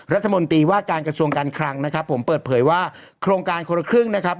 รัฐมนตรีว่าการกระทรวงการคลังนะครับผมเปิดเผยว่าโครงการคนละครึ่งนะครับ